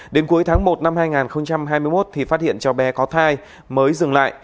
đến cuối tháng một năm hai nghìn hai mươi một thì phát hiện cháu bé có thai mới dừng lại